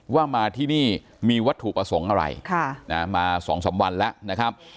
ว่ามาที่นี่มีวัตถุประสงค์อะไรมา๒๓วันแล้วนะครับ